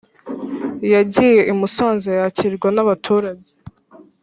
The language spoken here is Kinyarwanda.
Yagiye imusanze yakirwa nabaturage